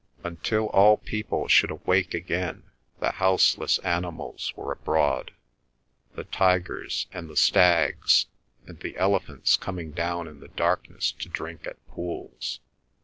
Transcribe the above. Until all people should awake again the houseless animals were abroad, the tigers and the stags, and the elephants coming down in the darkness to drink at pools.